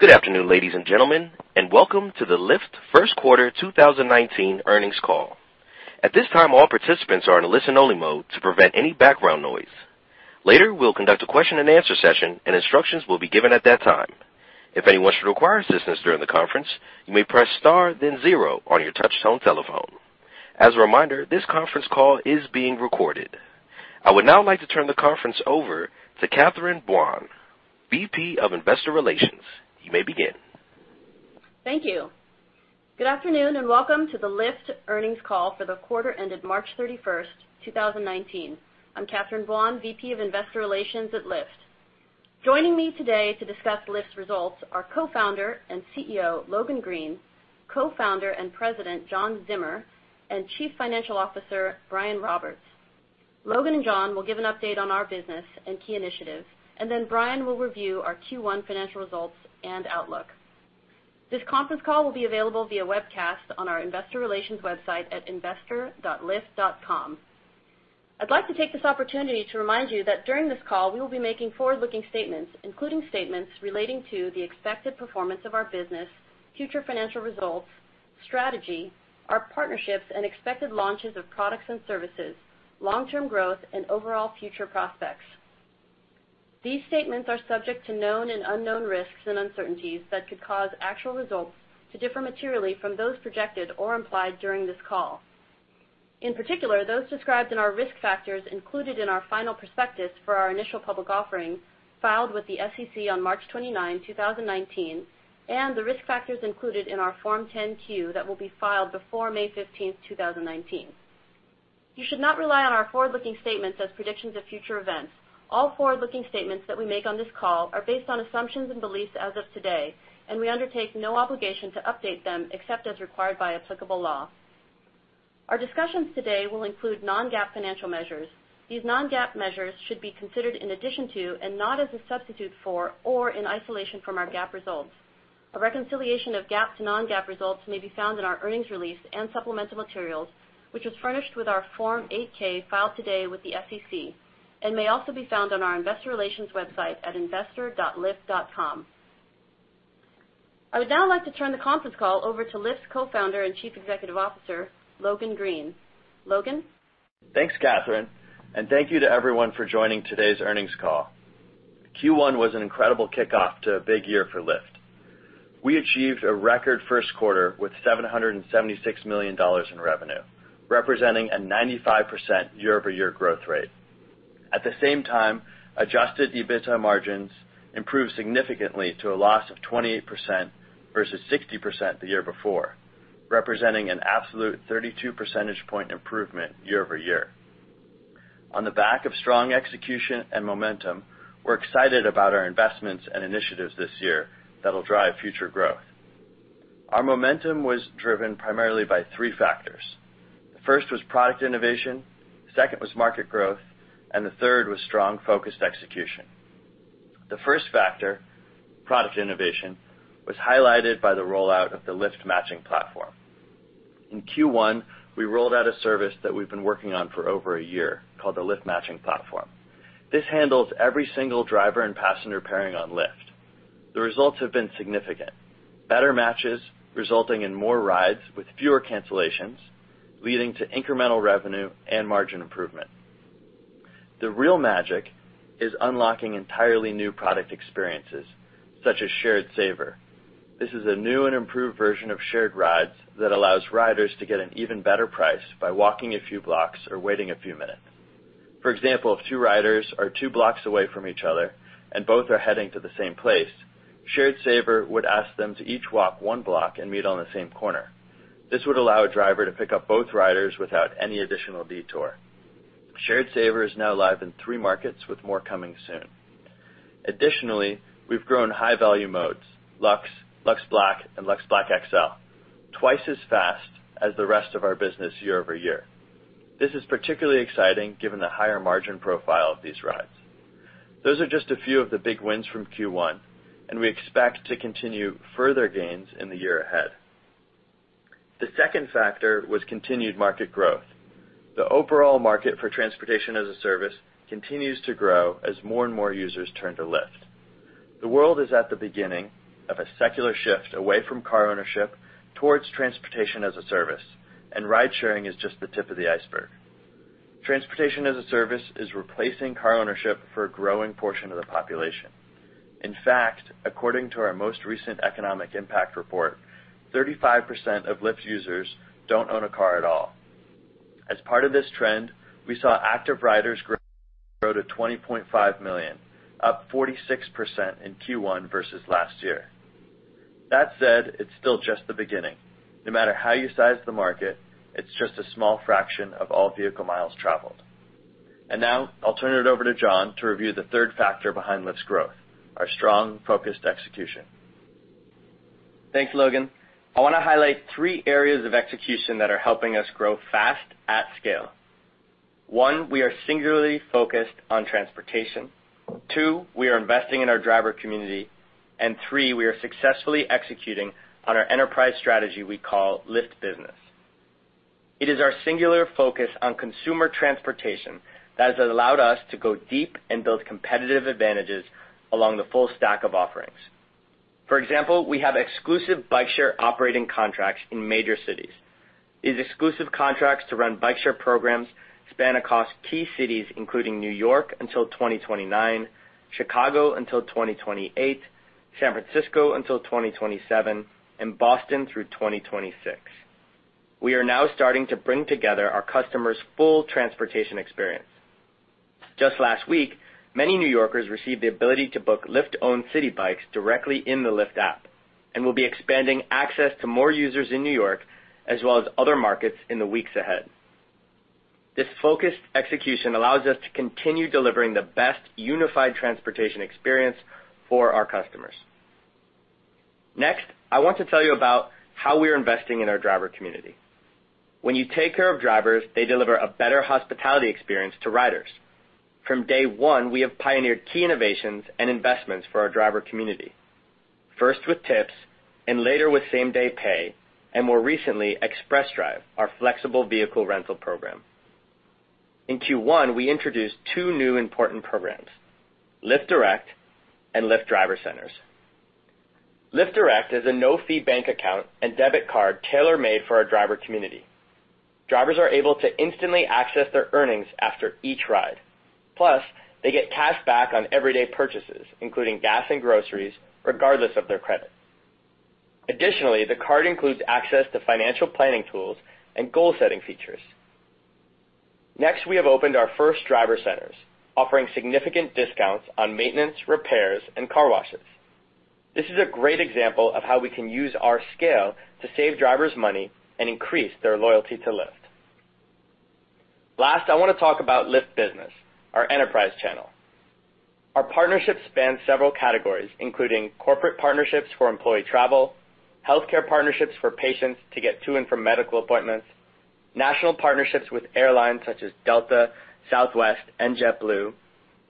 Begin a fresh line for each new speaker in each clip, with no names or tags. Good afternoon, ladies and gentlemen. Welcome to the Lyft First Quarter 2019 earnings call. At this time, all participants are in listen only mode to prevent any background noise. Later, we will conduct a question and answer session, and instructions will be given at that time. If anyone should require assistance during the conference, you may press star then zero on your touchtone telephone. As a reminder, this conference call is being recorded. I would now like to turn the conference over to Catherine Buan, VP of Investor Relations. You may begin.
Thank you. Good afternoon. Welcome to the Lyft earnings call for the quarter ended March 31st, 2019. I am Catherine Buan, VP of Investor Relations at Lyft. Joining me today to discuss Lyft's results are Co-founder and CEO, Logan Green, Co-founder and President, John Zimmer, and Chief Financial Officer, Brian Roberts. Logan and John will give an update on our business and key initiatives, and then Brian will review our Q1 financial results and outlook. This conference call will be available via webcast on our investor relations website at investor.lyft.com. I would like to take this opportunity to remind you that during this call, we will be making forward-looking statements, including statements relating to the expected performance of our business, future financial results, strategy, our partnerships and expected launches of products and services, long-term growth, and overall future prospects. These statements are subject to known and unknown risks and uncertainties that could cause actual results to differ materially from those projected or implied during this call. In particular, those described in our risk factors included in our final prospectus for our initial public offering, filed with the SEC on March 29, 2019, and the risk factors included in our Form 10-Q that will be filed before May 15, 2019. You should not rely on our forward-looking statements as predictions of future events. All forward-looking statements that we make on this call are based on assumptions and beliefs as of today, and we undertake no obligation to update them except as required by applicable law. Our discussions today will include non-GAAP financial measures. These non-GAAP measures should be considered in addition to and not as a substitute for or in isolation from our GAAP results. A reconciliation of GAAP to non-GAAP results may be found in our earnings release and supplemental materials, which was furnished with our Form 8-K filed today with the SEC and may also be found on our investor relations website at investor.lyft.com. I would now like to turn the conference call over to Lyft's Co-founder and Chief Executive Officer, Logan Green. Logan?
Thanks, Catherine, and thank you to everyone for joining today's earnings call. Q1 was an incredible kickoff to a big year for Lyft. We achieved a record first quarter with $776 million in revenue, representing a 95% year-over-year growth rate. At the same time, adjusted EBITDA margins improved significantly to a loss of 28% versus 60% the year before, representing an absolute 32 percentage point improvement year-over-year. On the back of strong execution and momentum, we're excited about our investments and initiatives this year that'll drive future growth. Our momentum was driven primarily by three factors. The first was product innovation, the second was market growth, and the third was strong, focused execution. The first factor, product innovation, was highlighted by the rollout of the Lyft Matching Platform. In Q1, we rolled out a service that we've been working on for over a year called the Lyft Matching Platform. This handles every single driver and passenger pairing on Lyft. The results have been significant. Better matches, resulting in more rides with fewer cancellations, leading to incremental revenue and margin improvement. The real magic is unlocking entirely new product experiences such as Shared Saver. This is a new and improved version of Shared Rides that allows riders to get an even better price by walking a few blocks or waiting a few minutes. For example, if two riders are two blocks away from each other and both are heading to the same place, Shared Saver would ask them to each walk one block and meet on the same corner. This would allow a driver to pick up both riders without any additional detour. Shared Saver is now live in three markets, with more coming soon. Additionally, we've grown high-value modes, Lux Black, and Lux Black XL, twice as fast as the rest of our business year-over-year. This is particularly exciting given the higher margin profile of these rides. Those are just a few of the big wins from Q1, and we expect to continue further gains in the year ahead. The second factor was continued market growth. The overall market for transportation as a service continues to grow as more and more users turn to Lyft. The world is at the beginning of a secular shift away from car ownership towards transportation as a service, and ride-sharing is just the tip of the iceberg. Transportation as a service is replacing car ownership for a growing portion of the population. In fact, according to our most recent economic impact report, 35% of Lyft's users don't own a car at all. As part of this trend, we saw active riders grow to 20.5 million, up 46% in Q1 versus last year. That said, it's still just the beginning. No matter how you size the market, it's just a small fraction of all vehicle miles traveled. Now I'll turn it over to John to review the third factor behind Lyft's growth, our strong, focused execution.
Thanks, Logan Green. I want to highlight three areas of execution that are helping us grow fast at scale. One, we are singularly focused on transportation. Two, we are investing in our driver community. Three, we are successfully executing on our enterprise strategy we call Lyft Business. It is our singular focus on consumer transportation that has allowed us to go deep and build competitive advantages along the full stack of offerings. For example, we have exclusive bike share operating contracts in major cities. These exclusive contracts to run bike share programs span across key cities, including New York until 2029, Chicago until 2028, San Francisco until 2027, and Boston through 2026. We are now starting to bring together our customers' full transportation experience. Just last week, many New Yorkers received the ability to book Lyft-owned Citi Bike directly in the Lyft app, and we'll be expanding access to more users in New York as well as other markets in the weeks ahead. This focused execution allows us to continue delivering the best unified transportation experience for our customers. Next, I want to tell you about how we're investing in our driver community. When you take care of drivers, they deliver a better hospitality experience to riders. From day one, we have pioneered key innovations and investments for our driver community, first with tips, and later with same-day pay, and more recently, Express Drive, our flexible vehicle rental program. In Q1, we introduced two new important programs, Lyft Direct and Lyft Driver Centers. Lyft Direct is a no-fee bank account and debit card tailor-made for our driver community. Drivers are able to instantly access their earnings after each ride. Plus, they get cashback on everyday purchases, including gas and groceries, regardless of their credit. Additionally, the card includes access to financial planning tools and goal-setting features. Next, we have opened our first Driver Centers, offering significant discounts on maintenance, repairs, and car washes. This is a great example of how we can use our scale to save drivers money and increase their loyalty to Lyft. Last, I want to talk about Lyft Business, our enterprise channel. Our partnership spans several categories, including corporate partnerships for employee travel, healthcare partnerships for patients to get to and from medical appointments, national partnerships with airlines such as Delta, Southwest, and JetBlue,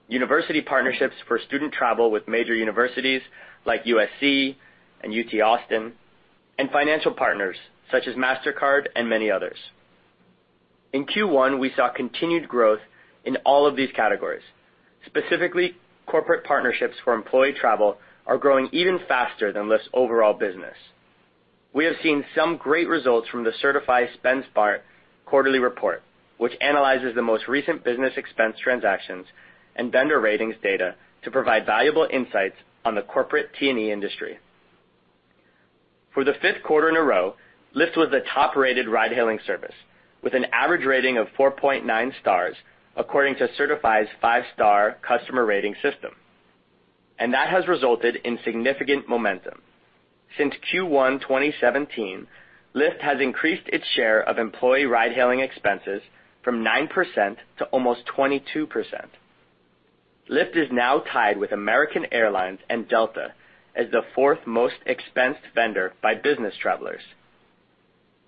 university partnerships for student travel with major universities like USC and UT Austin, and financial partners such as Mastercard and many others. In Q1, we saw continued growth in all of these categories. Specifically, corporate partnerships for employee travel are growing even faster than Lyft's overall business. We have seen some great results from the Certify SpendSmart quarterly report, which analyzes the most recent business expense transactions and vendor ratings data to provide valuable insights on the corporate T&E industry. For the 5th quarter in a row, Lyft was the top-rated ride-hailing service with an average rating of 4.9 stars, according to Certify's five-star customer rating system. That has resulted in significant momentum. Since Q1 2017, Lyft has increased its share of employee ride-hailing expenses from 9% to almost 22%. Lyft is now tied with American Airlines and Delta as the 4th most expensed vendor by business travelers.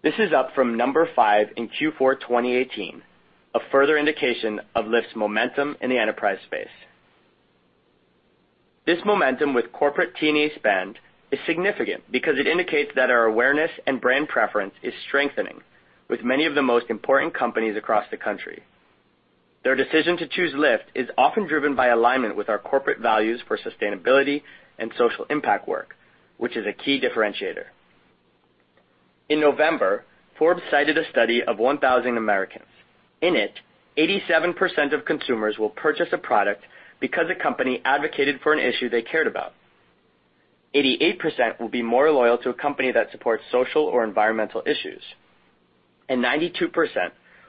This is up from number 5 in Q4 2018, a further indication of Lyft's momentum in the enterprise space. This momentum with corporate T&E spend is significant because it indicates that our awareness and brand preference is strengthening with many of the most important companies across the country. Their decision to choose Lyft is often driven by alignment with our corporate values for sustainability and social impact work, which is a key differentiator. In November, Forbes cited a study of 1,000 Americans. In it, 87% of consumers will purchase a product because a company advocated for an issue they cared about. 88% will be more loyal to a company that supports social or environmental issues, and 92%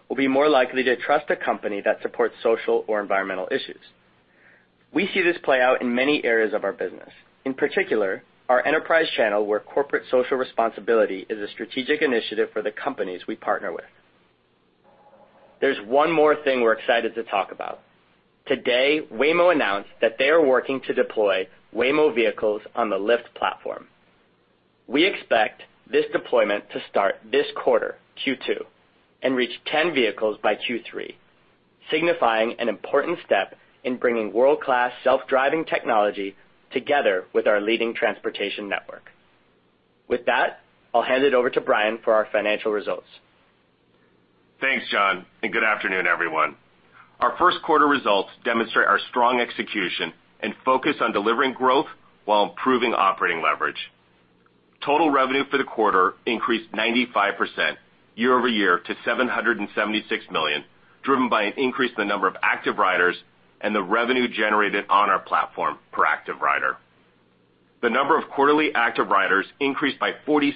will be more likely to trust a company that supports social or environmental issues. We see this play out in many areas of our business, in particular, our enterprise channel, where corporate social responsibility is a strategic initiative for the companies we partner with. There's one more thing we're excited to talk about. Today, Waymo announced that they are working to deploy Waymo vehicles on the Lyft platform. We expect this deployment to start this quarter, Q2, and reach 10 vehicles by Q3, signifying an important step in bringing world-class self-driving technology together with our leading transportation network. With that, I'll hand it over to Brian for our financial results.
Thanks, John, and good afternoon, everyone. Our 1st quarter results demonstrate our strong execution and focus on delivering growth while improving operating leverage. Total revenue for the quarter increased 95% year-over-year to $776 million, driven by an increase in the number of active riders and the revenue generated on our platform per active rider. The number of quarterly active riders increased by 46%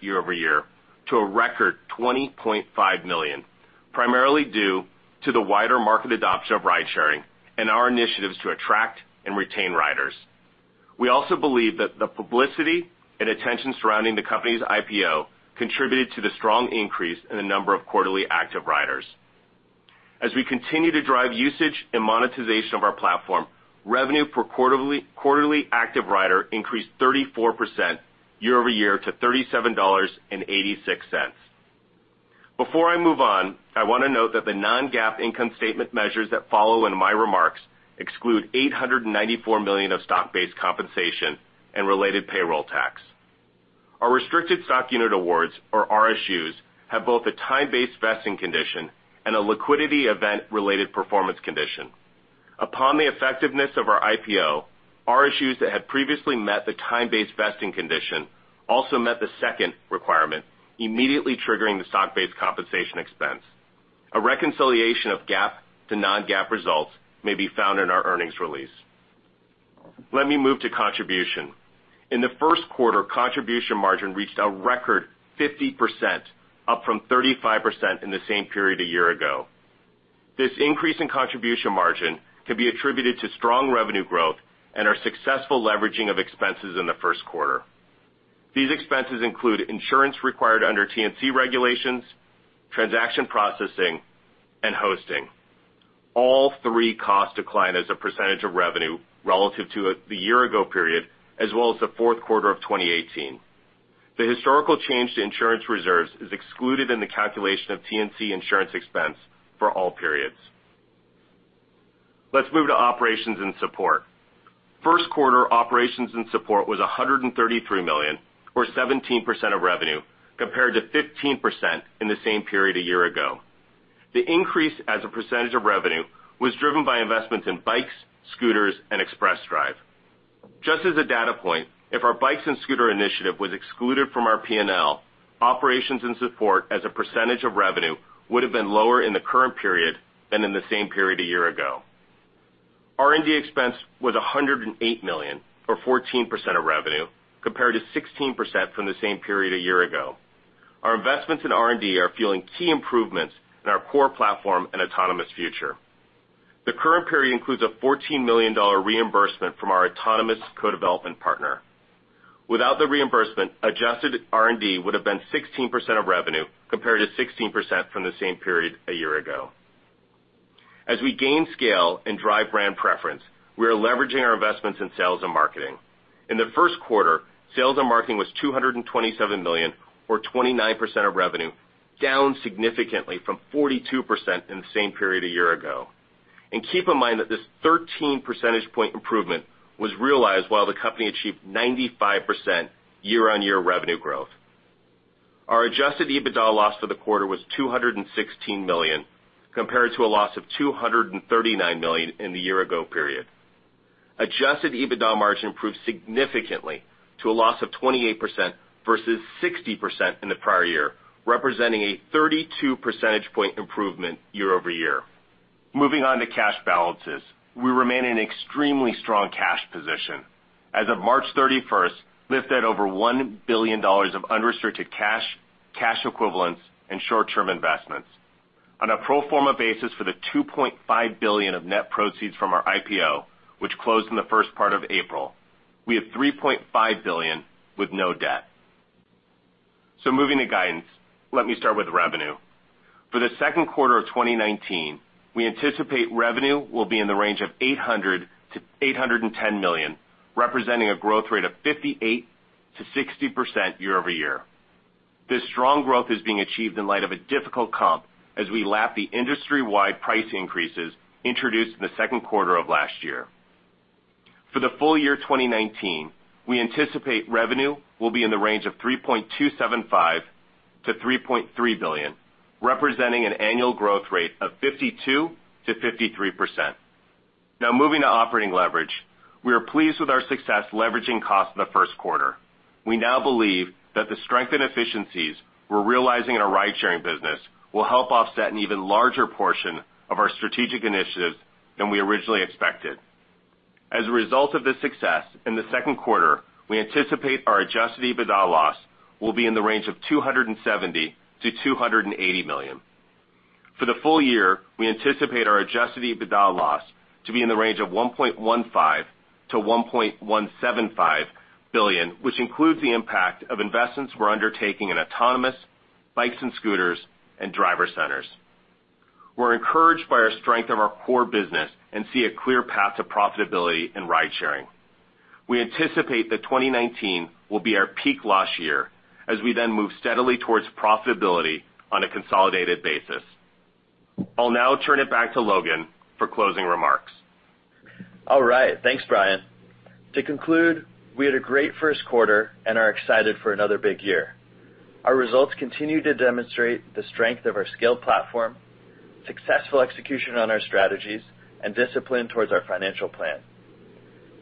year-over-year to a record 20.5 million, primarily due to the wider market adoption of ride-sharing and our initiatives to attract and retain riders. We also believe that the publicity and attention surrounding the company's IPO contributed to the strong increase in the number of quarterly active riders. As we continue to drive usage and monetization of our platform, revenue per quarterly active rider increased 34% year-over-year to $37.86. Before I move on, I want to note that the non-GAAP income statement measures that follow in my remarks exclude $894 million of stock-based compensation and related payroll tax. Our restricted stock unit awards, or RSUs, have both a time-based vesting condition and a liquidity event-related performance condition. Upon the effectiveness of our IPO, RSUs that had previously met the time-based vesting condition also met the second requirement, immediately triggering the stock-based compensation expense. A reconciliation of GAAP to non-GAAP results may be found in our earnings release. Let me move to contribution. In the first quarter, contribution margin reached a record 50%, up from 35% in the same period a year ago. This increase in contribution margin can be attributed to strong revenue growth and our successful leveraging of expenses in the first quarter. These expenses include insurance required under TNC regulations, transaction processing, and hosting. All three costs decline as a percentage of revenue relative to the year-ago period, as well as the fourth quarter of 2018. The historical change to insurance reserves is excluded in the calculation of TNC insurance expense for all periods. Let's move to operations and support. First quarter operations and support was $133 million, or 17% of revenue, compared to 15% in the same period a year ago. The increase as a percentage of revenue was driven by investments in bikes, scooters, and Express Drive. Just as a data point, if our bikes and scooter initiative was excluded from our P&L, operations and support as a percentage of revenue would have been lower in the current period than in the same period a year ago. R&D expense was $108 million, or 14% of revenue, compared to 16% from the same period a year ago. Our investments in R&D are fueling key improvements in our core platform and autonomous future. The current period includes a $14 million reimbursement from our autonomous co-development partner. Without the reimbursement, adjusted R&D would have been 16% of revenue, compared to 16% from the same period a year ago. As we gain scale and drive brand preference, we are leveraging our investments in sales and marketing. In the first quarter, sales and marketing was $227 million, or 29% of revenue, down significantly from 42% in the same period a year ago. Keep in mind that this 13 percentage point improvement was realized while the company achieved 95% year-on-year revenue growth. Our adjusted EBITDA loss for the quarter was $216 million, compared to a loss of $239 million in the year-ago period. Adjusted EBITDA margin improved significantly to a loss of 28% versus 60% in the prior year, representing a 32 percentage point improvement year-over-year. Moving on to cash balances. We remain in extremely strong cash position. As of March 31st, Lyft had over $1 billion of unrestricted cash equivalents, and short-term investments. On a pro forma basis for the $2.5 billion of net proceeds from our IPO, which closed in the first part of April, we have $3.5 billion with no debt. Moving to guidance. Let me start with revenue. For the second quarter of 2019, we anticipate revenue will be in the range of $800 million-$810 million, representing a growth rate of 58%-60% year-over-year. This strong growth is being achieved in light of a difficult comp as we lap the industry-wide price increases introduced in the second quarter of last year. For the full year 2019, we anticipate revenue will be in the range of $3.275 billion-$3.3 billion, representing an annual growth rate of 52%-53%. Moving to operating leverage. We are pleased with our success leveraging costs in the first quarter. We now believe that the strength and efficiencies we're realizing in our ride-sharing business will help offset an even larger portion of our strategic initiatives than we originally expected. As a result of this success, in the second quarter, we anticipate our adjusted EBITDA loss will be in the range of $270 million-$280 million. For the full year, we anticipate our adjusted EBITDA loss to be in the range of $1.15 billion-$1.175 billion, which includes the impact of investments we're undertaking in autonomous, bikes and scooters, and driver centers. We're encouraged by our strength of our core business and see a clear path to profitability in ride sharing. We anticipate that 2019 will be our peak loss year, as we then move steadily towards profitability on a consolidated basis. I'll turn it back to Logan for closing remarks.
All right. Thanks, Brian. To conclude, we had a great first quarter and are excited for another big year. Our results continue to demonstrate the strength of our scaled platform, successful execution on our strategies, and discipline towards our financial plan.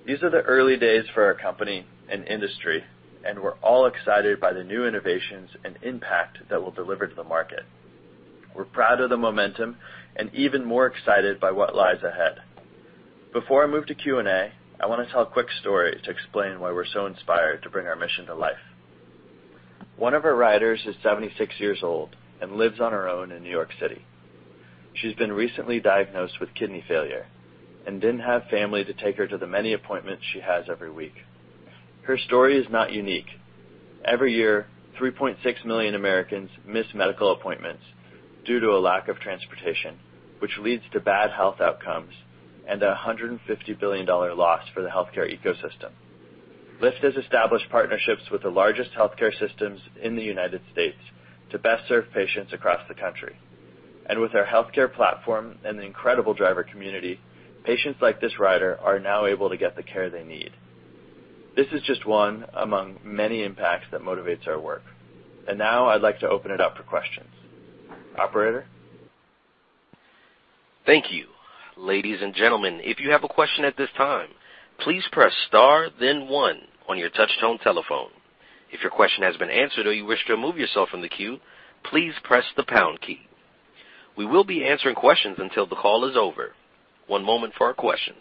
These are the early days for our company and industry, and we're all excited by the new innovations and impact that we'll deliver to the market. We're proud of the momentum and even more excited by what lies ahead. Before I move to Q&A, I want to tell a quick story to explain why we're so inspired to bring our mission to life. One of our riders is 76 years old and lives on her own in New York City. She's been recently diagnosed with kidney failure and didn't have family to take her to the many appointments she has every week. Her story is not unique. Every year, 3.6 million Americans miss medical appointments due to a lack of transportation, which leads to bad health outcomes and a $150 billion loss for the healthcare ecosystem. Lyft has established partnerships with the largest healthcare systems in the U.S. to best serve patients across the country. With our healthcare platform and the incredible driver community, patients like this rider are now able to get the care they need. This is just one among many impacts that motivates our work. Now I'd like to open it up for questions. Operator?
Thank you. Ladies and gentlemen, if you have a question at this time, please press star then one on your touchtone telephone. If your question has been answered or you wish to remove yourself from the queue, please press the pound key. We will be answering questions until the call is over. One moment for our questions.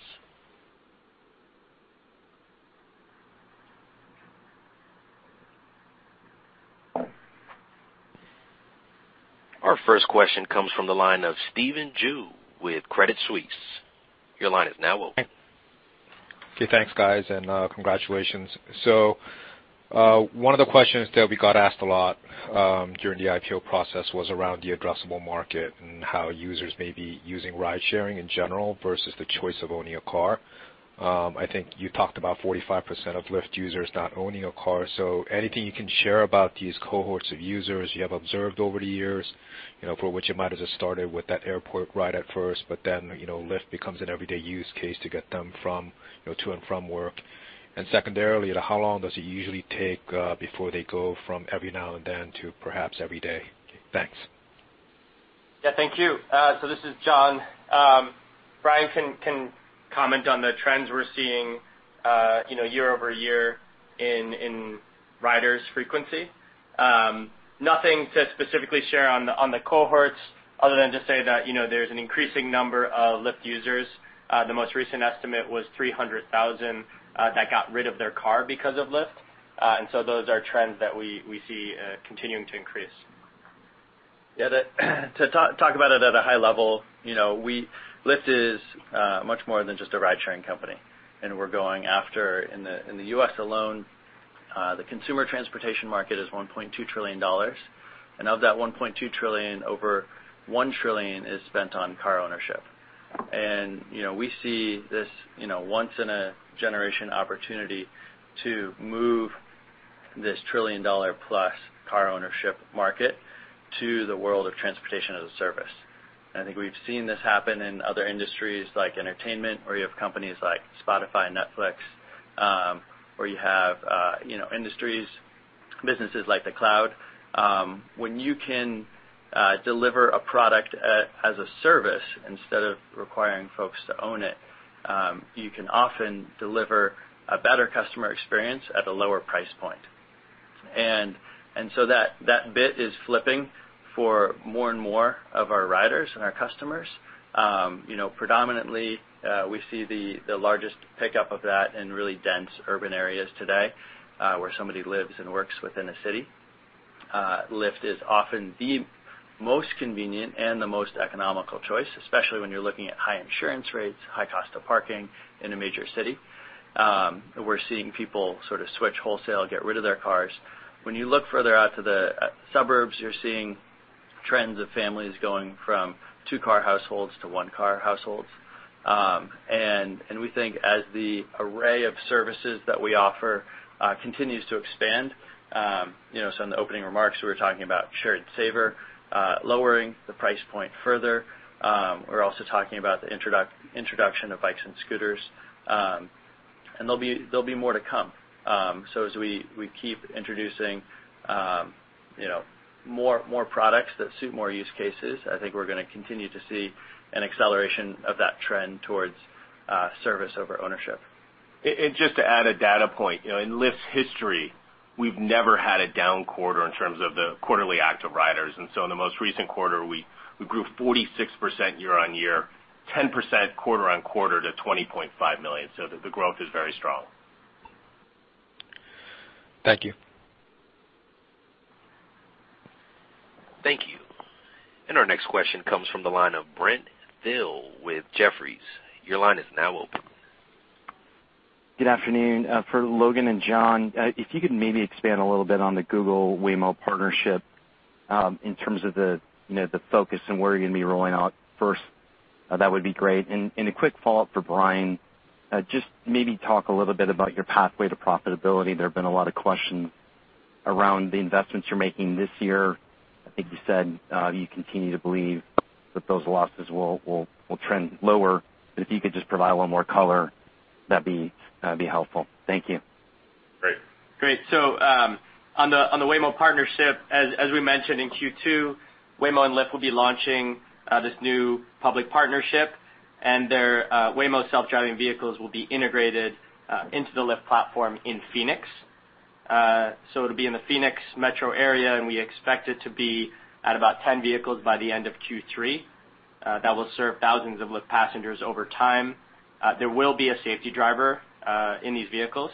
Our first question comes from the line of Stephen Ju with Credit Suisse. Your line is now open.
Thanks, guys, and congratulations. One of the questions that we got asked a lot, during the IPO process was around the addressable market and how users may be using ride-sharing in general versus the choice of owning a car. I think you talked about 45% of Lyft users not owning a car. Anything you can share about these cohorts of users you have observed over the years, for which you might have just started with that airport ride at first, Lyft becomes an everyday use case to get them to and from work. Secondarily, how long does it usually take, before they go from every now and then to perhaps every day? Thanks.
Thank you. This is John. Brian can comment on the trends we're seeing year-over-year in riders frequency. Nothing to specifically share on the cohorts other than to say that there's an increasing number of Lyft users. The most recent estimate was 300,000, that got rid of their car because of Lyft. Those are trends that we see continuing to increase.
Yeah. To talk about it at a high level, Lyft is much more than just a ride-sharing company. We're going after In the U.S. alone, the consumer transportation market is $1.2 trillion. Of that $1.2 trillion, over $1 trillion is spent on car ownership. We see this once in a generation opportunity to move this trillion-dollar-plus car ownership market to the world of transportation as a service. I think we've seen this happen in other industries like entertainment, where you have companies like Spotify and Netflix, or you have businesses like the cloud. When you can deliver a product as a service instead of requiring folks to own it, you can often deliver a better customer experience at a lower price point. That bit is flipping for more and more of our riders and our customers. Predominantly, we see the largest pickup of that in really dense urban areas today, where somebody lives and works within a city. Lyft is often the most convenient and the most economical choice, especially when you're looking at high insurance rates, high cost of parking in a major city. We're seeing people sort of switch wholesale, get rid of their cars. When you look further out to the suburbs, you're seeing trends of families going from two-car households to one-car households. We think as the array of services that we offer continues to expand, in the opening remarks, we were talking about Shared Saver, lowering the price point further. We're also talking about the introduction of bikes and scooters. There'll be more to come. As we keep introducing more products that suit more use cases, I think we're going to continue to see an acceleration of that trend towards service over ownership.
Just to add a data point. In Lyft's history, we've never had a down quarter in terms of the quarterly active riders. In the most recent quarter, we grew 46% year-on-year, 10% quarter-on-quarter to 20.5 million. The growth is very strong.
Thank you.
Thank you. Our next question comes from the line of Brent Thill with Jefferies. Your line is now open.
Good afternoon. For Logan and John, if you could maybe expand a little bit on the Google Waymo partnership, in terms of the focus and where you're going to be rolling out first, that would be great. A quick follow-up for Brian, just maybe talk a little bit about your pathway to profitability. There have been a lot of questions around the investments you're making this year. I think you said, you continue to believe that those losses will trend lower. If you could just provide a little more color, that'd be helpful. Thank you.
Great.
Great. On the Waymo partnership, as we mentioned in Q2, Waymo and Lyft will be launching this new public partnership, their Waymo self-driving vehicles will be integrated into the Lyft platform in Phoenix. It'll be in the Phoenix metro area, we expect it to be at about 10 vehicles by the end of Q3. That will serve thousands of Lyft passengers over time. There will be a safety driver in these vehicles.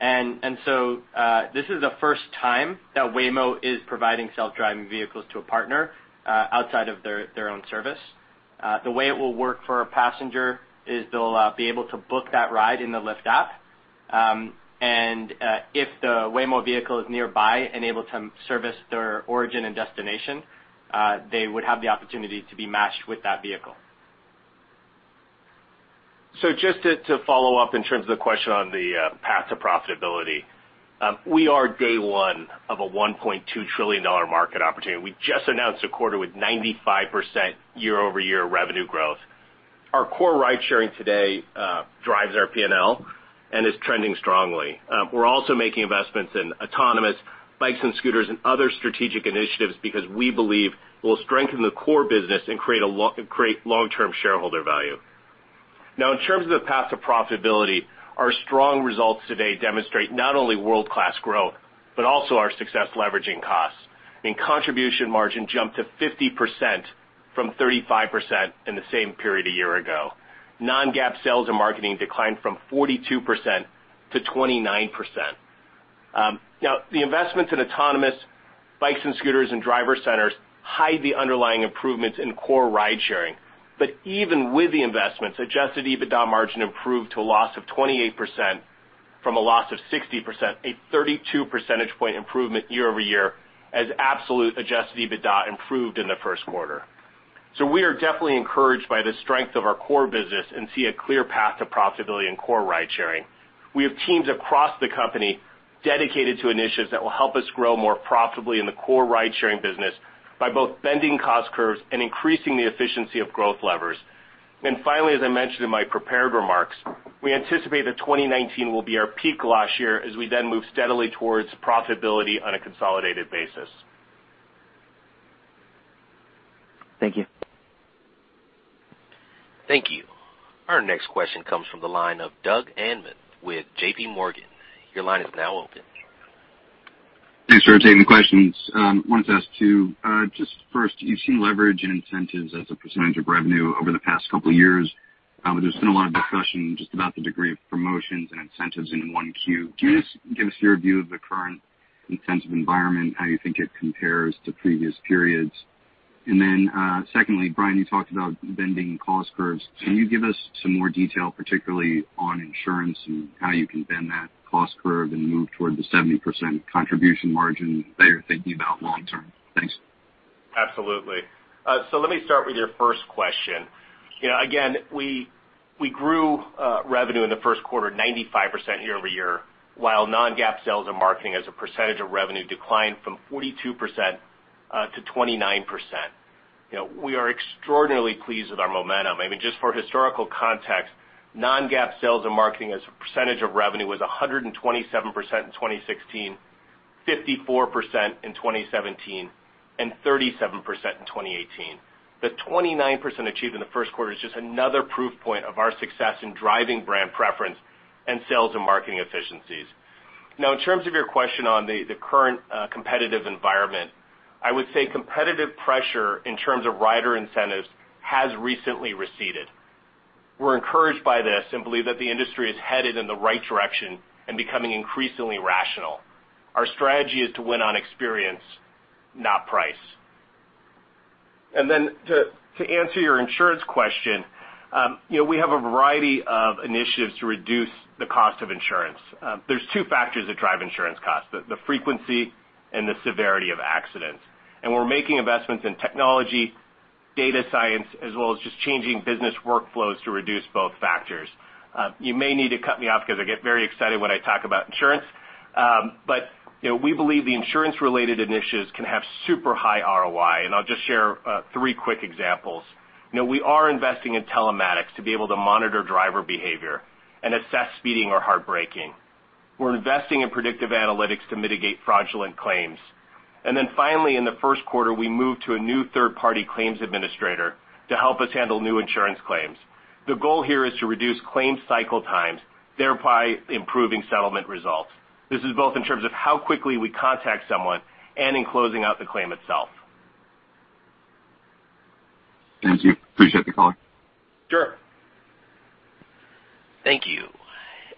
This is the first time that Waymo is providing self-driving vehicles to a partner, outside of their own service. The way it will work for a passenger is they'll be able to book that ride in the Lyft app. If the Waymo vehicle is nearby and able to service their origin and destination, they would have the opportunity to be matched with that vehicle.
Just to follow up in terms of the question on the path to profitability. We are day one of a $1.2 trillion market opportunity. We just announced a quarter with 95% year-over-year revenue growth. Our core ride-sharing today drives our P&L and is trending strongly. We're also making investments in autonomous bikes and scooters and other strategic initiatives because we believe it will strengthen the core business and create long-term shareholder value. Now, in terms of the path to profitability, our strong results today demonstrate not only world-class growth, but also our success leveraging costs. Contribution margin jumped to 50% from 35% in the same period a year ago. Non-GAAP sales and marketing declined from 42% to 29%. Now, the investments in autonomous bikes and scooters and Lyft Driver Centers hide the underlying improvements in core ride-sharing. Even with the investments, adjusted EBITDA margin improved to a loss of 28% from a loss of 60%, a 32 percentage point improvement year-over-year as absolute adjusted EBITDA improved in the first quarter. We are definitely encouraged by the strength of our core business and see a clear path to profitability in core ride-sharing. We have teams across the company dedicated to initiatives that will help us grow more profitably in the core ride-sharing business by both bending cost curves and increasing the efficiency of growth levers. Finally, as I mentioned in my prepared remarks, we anticipate that 2019 will be our peak loss year as we then move steadily towards profitability on a consolidated basis.
Thank you.
Thank you. Our next question comes from the line of Doug Anmuth with JPMorgan. Your line is now open.
Thanks for taking the questions. Wanted to ask two. Just first, you've seen leverage and incentives as a percentage of revenue over the past couple of years, but there's been a lot of discussion just about the degree of promotions and incentives in 1Q. Can you just give us your view of the current incentive environment, how you think it compares to previous periods? Secondly, Brian, you talked about bending cost curves. Can you give us some more detail, particularly on insurance and how you can bend that cost curve and move toward the 70% contribution margin that you're thinking about long term? Thanks.
Absolutely. Let me start with your first question. Again, we grew revenue in the first quarter 95% year-over-year, while non-GAAP sales and marketing as a percentage of revenue declined from 42% to 29%. We are extraordinarily pleased with our momentum. Just for historical context, non-GAAP sales and marketing as a percentage of revenue was 127% in 2016, 54% in 2017, and 37% in 2018. The 29% achieved in the first quarter is just another proof point of our success in driving brand preference in sales and marketing efficiencies. In terms of your question on the current competitive environment, I would say competitive pressure in terms of rider incentives has recently receded. We're encouraged by this and believe that the industry is headed in the right direction and becoming increasingly rational. Our strategy is to win on experience, not price. To answer your insurance question, we have a variety of initiatives to reduce the cost of insurance. There's two factors that drive insurance costs, the frequency and the severity of accidents. We're making investments in technology, data science, as well as just changing business workflows to reduce both factors. You may need to cut me off because I get very excited when I talk about insurance. We believe the insurance-related initiatives can have super high ROI, and I'll just share three quick examples. We are investing in telematics to be able to monitor driver behavior and assess speeding or hard braking. We're investing in predictive analytics to mitigate fraudulent claims. Finally, in the first quarter, we moved to a new third-party claims administrator to help us handle new insurance claims. The goal here is to reduce claim cycle times, thereby improving settlement results. This is both in terms of how quickly we contact someone and in closing out the claim itself.
Thank you. Appreciate the call.
Sure.
Thank you.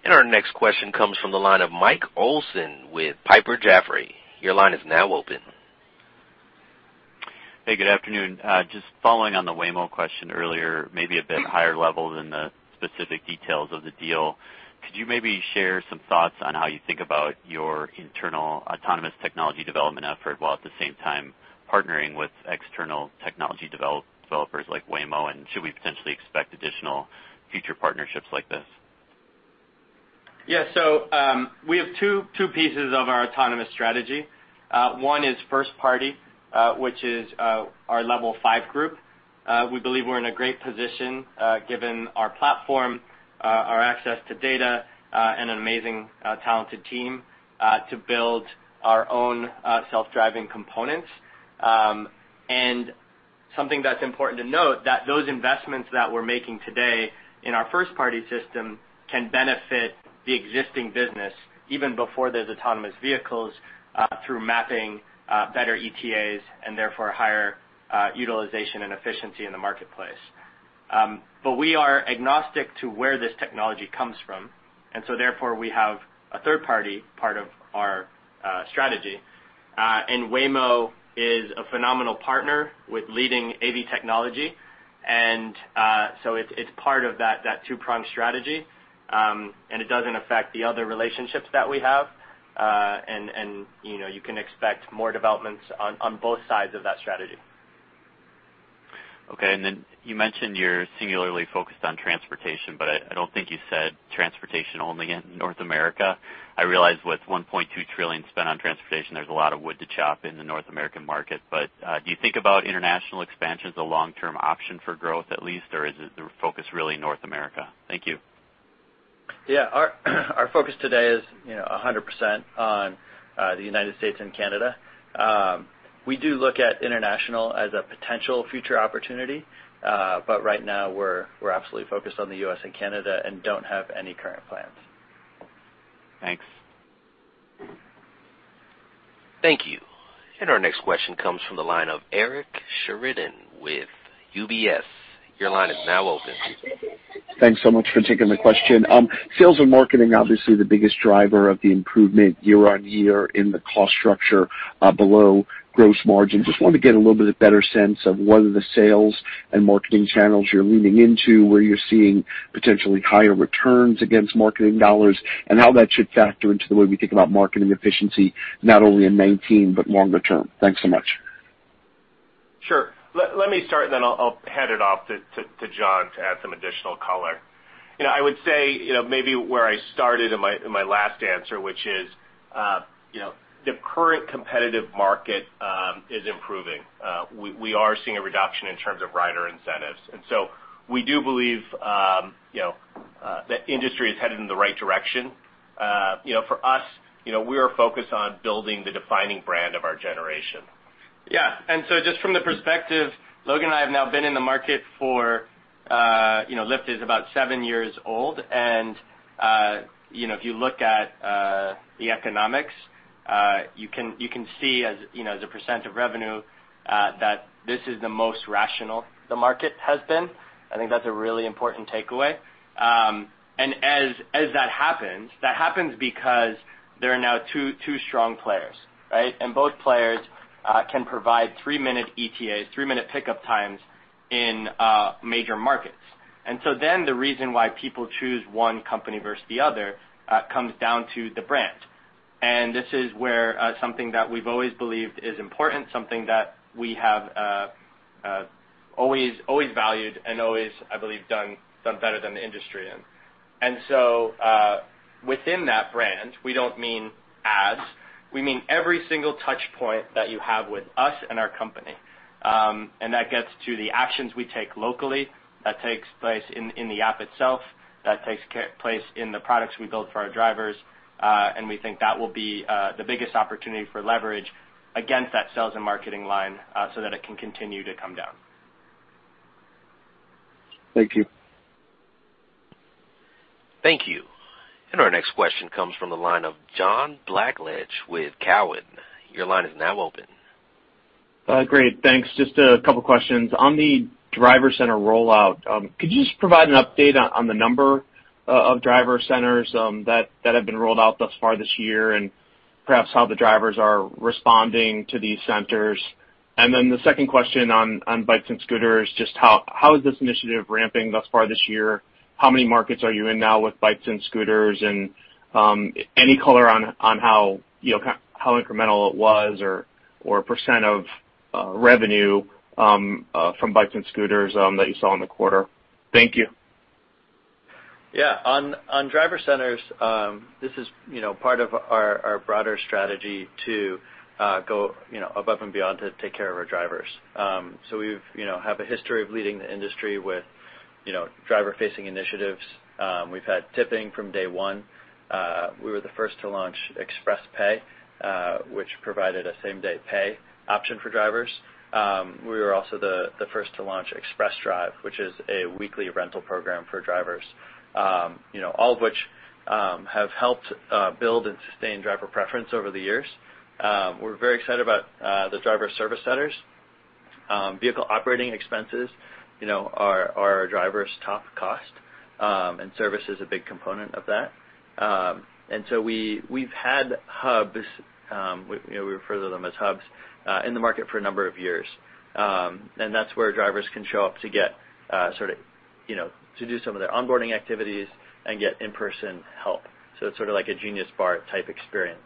Our next question comes from the line of Mike Olson with Piper Jaffray. Your line is now open.
Hey, good afternoon. Just following on the Waymo question earlier, maybe a bit higher level than the specific details of the deal. Could you maybe share some thoughts on how you think about your internal autonomous technology development effort while at the same time partnering with external technology developers like Waymo? Should we potentially expect additional future partnerships like this?
Yeah. We have two pieces of our autonomous strategy. One is first party, which is our Level 5 group. We believe we're in a great position given our platform, our access to data, and an amazing talented team, to build our own self-driving components. Something that's important to note that those investments that we're making today in our first-party system can benefit the existing business even before those autonomous vehicles through mapping better ETAs and therefore higher utilization and efficiency in the marketplace. We are agnostic to where this technology comes from, therefore, we have a third-party part of our strategy. Waymo is a phenomenal partner with leading AV technology, it's part of that two-pronged strategy, it doesn't affect the other relationships that we have. You can expect more developments on both sides of that strategy.
Okay. You mentioned you're singularly focused on transportation, but I don't think you said transportation only in North America. I realize with $1.2 trillion spent on transportation, there's a lot of wood to chop in the North American market. Do you think about international expansion as a long-term option for growth at least, or is the focus really North America? Thank you.
Yeah. Our focus today is 100% on the U.S. and Canada. We do look at international as a potential future opportunity. Right now, we're absolutely focused on the U.S. and Canada and don't have any current plans.
Thanks.
Thank you. Our next question comes from the line of Eric Sheridan with UBS. Your line is now open.
Thanks so much for taking the question. Sales and marketing, obviously the biggest driver of the improvement year-on-year in the cost structure below gross margin. I just wanted to get a little bit better sense of what are the sales and marketing channels you're leaning into, where you're seeing potentially higher returns against marketing dollars, and how that should factor into the way we think about marketing efficiency, not only in 2019, longer term. Thanks so much.
Sure. Let me start, then I'll hand it off to John to add some additional color. I would say, maybe where I started in my last answer, which is the current competitive market is improving. We are seeing a reduction in terms of rider incentives. So we do believe that industry is headed in the right direction. For us, we are focused on building the defining brand of our generation.
Yeah. Just from the perspective, Logan and I have now been in the market for Lyft is about seven years old. If you look at the economics, you can see as a % of revenue, that this is the most rational the market has been. I think that's a really important takeaway. As that happens, that happens because there are now two strong players. Right? Both players can provide three-minute ETAs, three-minute pickup times in major markets. The reason why people choose one company versus the other comes down to the brand. This is where something that we've always believed is important, something that we have always valued and always, I believe, done better than the industry. Within that brand, we don't mean ads. We mean every single touch point that you have with us and our company. That gets to the actions we take locally, that takes place in the app itself, that takes place in the products we build for our drivers. We think that will be the biggest opportunity for leverage against that sales and marketing line so that it can continue to come down.
Thank you.
Thank you. Our next question comes from the line of John Blackledge with Cowen. Your line is now open.
Great. Thanks. Just a couple of questions. On the Driver Center rollout, could you just provide an update on the number of Driver Centers that have been rolled out thus far this year, and perhaps how the drivers are responding to these centers? The second question on bikes and scooters, just how is this initiative ramping thus far this year? How many markets are you in now with bikes and scooters? Any color on how incremental it was or % of revenue from bikes and scooters that you saw in the quarter. Thank you.
Yeah. On Driver Centers, this is part of our broader strategy to go above and beyond to take care of our drivers. We have a history of leading the industry with driver-facing initiatives. We've had tipping from day one. We were the first to launch Express Pay, which provided a same-day pay option for drivers. We were also the first to launch Express Drive, which is a weekly rental program for drivers. All of which have helped build and sustain driver preference over the years. We're very excited about the Driver Service Centers. Vehicle operating expenses are our drivers' top cost, and service is a big component of that. We've had hubs, we refer to them as hubs, in the market for a number of years. That's where drivers can show up to do some of their onboarding activities and get in-person help. It's sort of like a Genius Bar-type experience.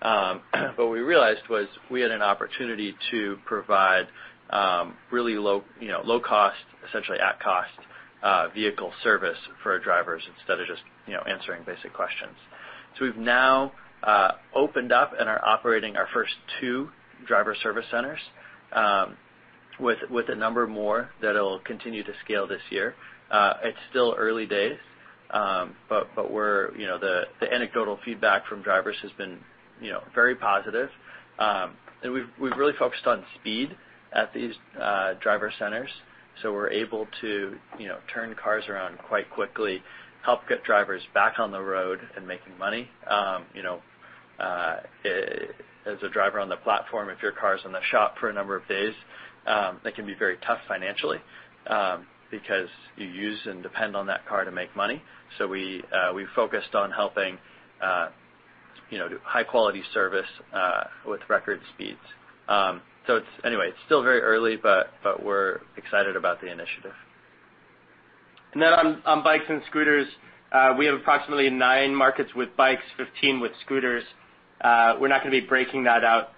What we realized was we had an opportunity to provide really low cost, essentially at cost, vehicle service for our drivers instead of just answering basic questions. We've now opened up and are operating our first two Driver Service Centers, with a number more that'll continue to scale this year. It's still early days, but the anecdotal feedback from drivers has been very positive. We've really focused on speed at these Driver Centers. We're able to turn cars around quite quickly, help get drivers back on the road and making money. As a driver on the platform, if your car's in the shop for a number of days, that can be very tough financially, because you use and depend on that car to make money. We focused on helping do high-quality service with record speeds. Anyway, it's still very early, but we're excited about the initiative. On bikes and scooters, we have approximately nine markets with bikes, 15 with scooters. We're not going to be breaking that out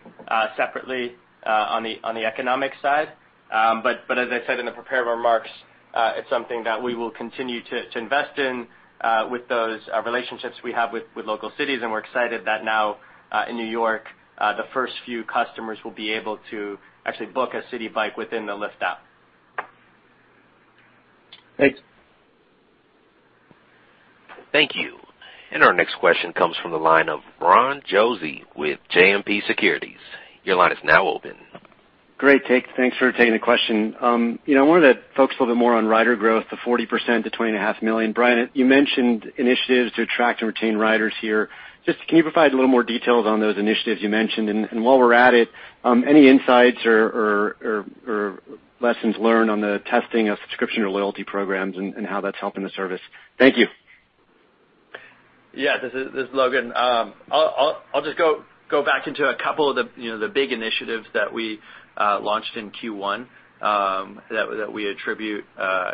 separately on the economic side. As I said in the prepared remarks, it's something that we will continue to invest in with those relationships we have with local cities. We're excited that now in New York, the first few customers will be able to actually book a Citi Bike within the Lyft app.
Thanks.
Thank you. Our next question comes from the line of Ronald Josey with JMP Securities. Your line is now open.
Great. Thanks for taking the question. I wanted to focus a little bit more on rider growth, the 40% to 20.5 million. Brian, you mentioned initiatives to attract and retain riders here. Just, can you provide a little more details on those initiatives you mentioned? While we're at it, any insights or lessons learned on the testing of subscription or loyalty programs and how that's helping the service? Thank you.
Yeah. This is Logan. I'll just go back into a couple of the big initiatives that we launched in Q1 that we attribute a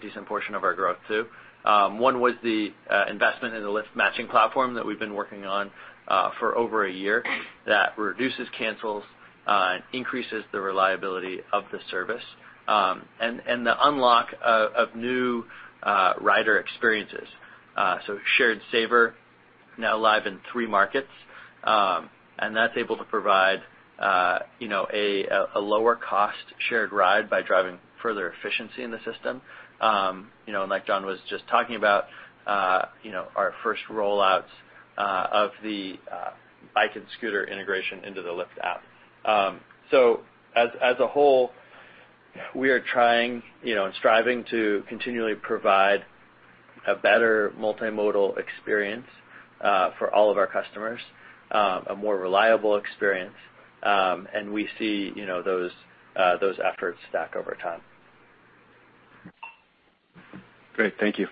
decent portion of our growth to. One was the investment in the Lyft Matching Platform that we've been working on for over a year that reduces cancels and increases the reliability of the service. The unlock of new rider experiences. Shared Saver now live in three markets, and that's able to provide a lower-cost shared ride by driving further efficiency in the system. Like John was just talking about, our first roll-outs of the bike and scooter integration into the Lyft app. As a whole, we are trying and striving to continually provide a better multimodal experience for all of our customers, a more reliable experience, and we see those efforts stack over time.
Great. Thank you.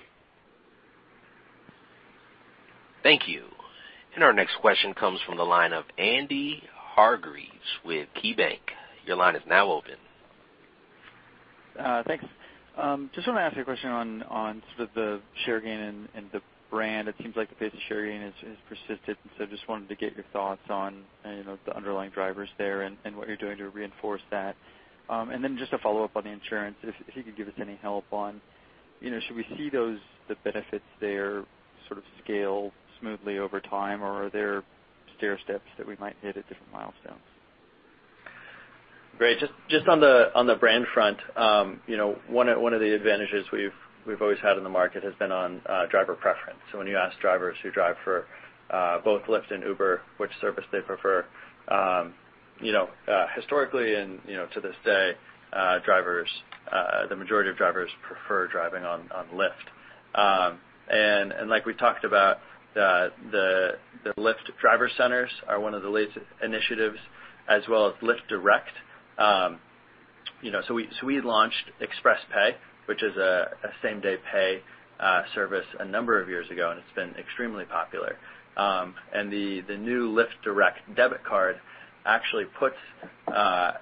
Thank you. Our next question comes from the line of Andy Hargreaves with KeyBanc. Your line is now open.
Thanks. Just want to ask you a question on sort of the share gain and the brand. It seems like the pace of share gain has persisted, wanted to get your thoughts on the underlying drivers there and what you're doing to reinforce that. Just a follow-up on the insurance, if you could give us any help on, should we see the benefits there sort of scale smoothly over time, or are there stairsteps that we might hit at different milestones?
Great. Just on the brand front, one of the advantages we've always had in the market has been on driver preference. When you ask drivers who drive for both Lyft and Uber which service they prefer, historically and to this day, the majority of drivers prefer driving on Lyft. Like we talked about, the Lyft Driver Centers are one of the latest initiatives, as well as Lyft Direct. We launched Express Pay, which is a same-day pay service a number of years ago, and it's been extremely popular. The new Lyft Direct debit card actually puts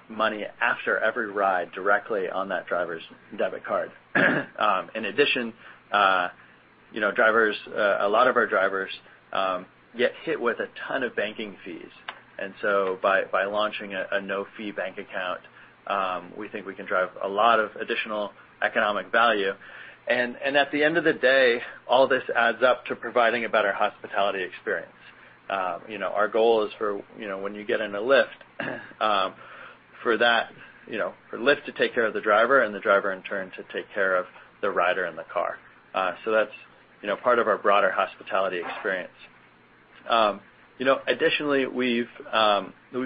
money after every ride directly on that driver's debit card. In addition, a lot of our drivers get hit with a ton of banking fees. By launching a no-fee bank account, we think we can drive a lot of additional economic value. At the end of the day, all this adds up to providing a better hospitality experience. Our goal is for when you get in a Lyft, for Lyft to take care of the driver and the driver in turn to take care of the rider and the car. That's part of our broader hospitality experience. Additionally, we've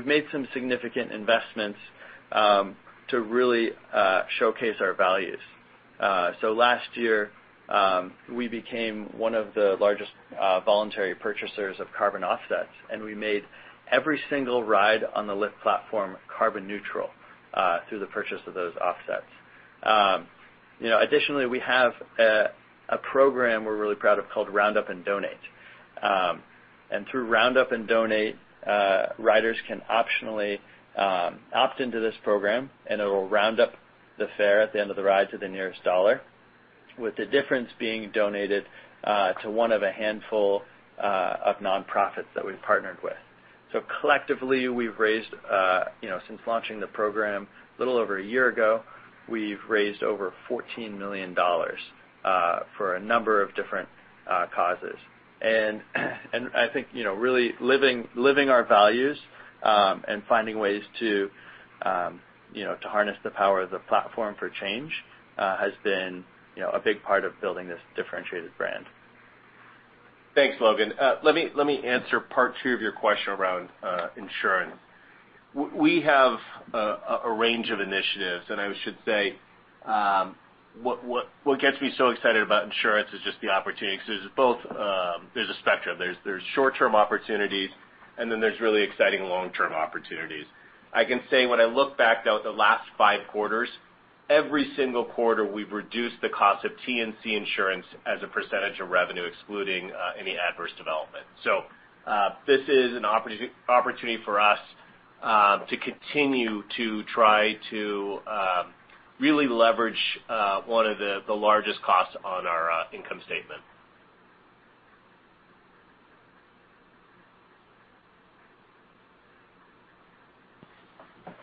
made some significant investments to really showcase our values. Last year, we became one of the largest voluntary purchasers of carbon offsets, and we made every single ride on the Lyft platform carbon neutral through the purchase of those offsets. Additionally, we have a program we're really proud of called Round Up & Donate. Through Round Up & Donate, riders can optionally opt into this program, and it'll round up the fare at the end of the ride to the nearest dollar, with the difference being donated to one of a handful of nonprofits that we've partnered with. Collectively, since launching the program a little over a year ago, we've raised over $14 million for a number of different causes. I think really living our values, and finding ways to harness the power of the platform for change has been a big part of building this differentiated brand.
Thanks, Logan. Let me answer part two of your question around insurance. We have a range of initiatives, and I should say, what gets me so excited about insurance is just the opportunity, because there's a spectrum. There's short-term opportunities, and then there's really exciting long-term opportunities. I can say when I look back, though, at the last five quarters, every single quarter, we've reduced the cost of TNC insurance as a percentage of revenue, excluding any adverse development. This is an opportunity for us to continue to try to really leverage one of the largest costs on our income statement.